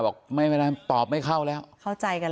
บอกไม่เป็นไรปอบไม่เข้าแล้วเข้าใจกัน